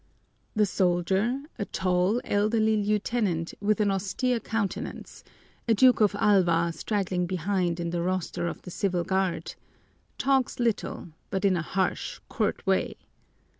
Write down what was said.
The soldier, a tall, elderly lieutenant with an austere countenance a Duke of Alva straggling behind in the roster of the Civil Guard talks little, but in a harsh, curt way.